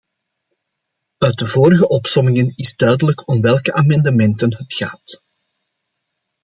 Uit de vorige opsommingen is duidelijk om welke amendementen het gaat.